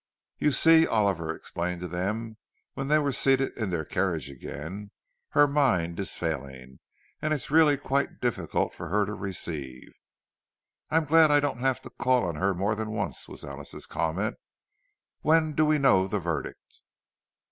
"You see," Oliver explained to them, when they were seated in their carriage again, "her mind is failing, and it's really quite difficult for her to receive." "I'm glad I don't have to call on her more than once," was Alice's comment. "When do we know the verdict?"